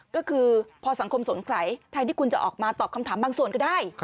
ก็คือพอสังคมสงสัยแทนที่คุณจะออกมาตอบคำถามบางส่วนก็ได้